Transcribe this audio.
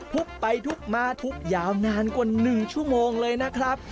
ทุบไปทุบมาทุบยาวนานกว่า๑ชั่วโมงเลยนะครับ